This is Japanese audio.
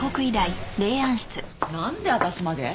なんで私まで？